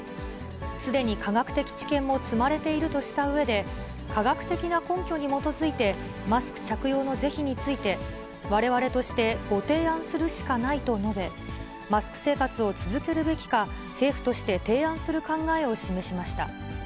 すでに科学的知見も積まれているとしたうえで、科学的な根拠に基づいて、マスク着用の是非について、われわれとしてご提案するしかないと述べ、マスク生活を続けるべきか、政府として提案する考えを示しました。